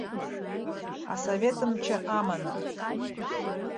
Асовет мчы аманы.